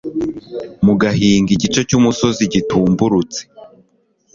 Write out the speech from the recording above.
mu gahinga igice cy'umusozi gitumburutse